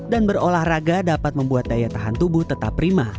dan berolahraga dapat membuat daya tahan tubuh tetap prima